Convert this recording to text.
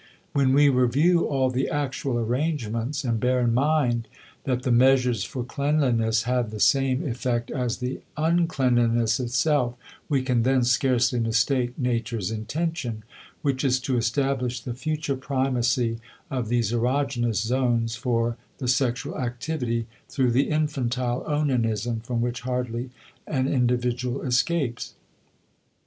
When we review all the actual arrangements, and bear in mind that the measures for cleanliness have the same effect as the uncleanliness itself, we can then scarcely mistake nature's intention, which is to establish the future primacy of these erogenous zones for the sexual activity through the infantile onanism from which hardly an individual escapes.